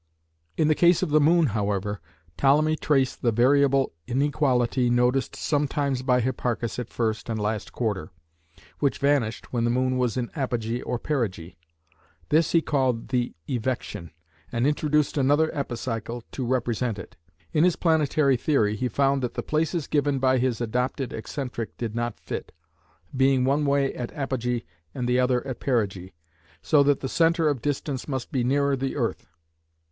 In the case of the moon, however, Ptolemy traced the variable inequality noticed sometimes by Hipparchus at first and last quarter, which vanished when the moon was in apogee or perigee. This he called the evection, and introduced another epicycle to represent it. In his planetary theory he found that the places given by his adopted excentric did not fit, being one way at apogee and the other at perigee; so that the centre of distance must be nearer the earth.